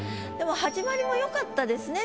始まりもよかったですね